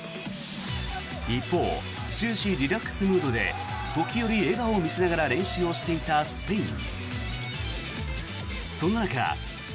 一方、終始リラックスムードで時折、笑顔を見せながら練習をしていたスペイン。